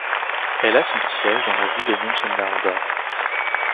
Elle a son siège dans la ville de Münchenbernsdorf.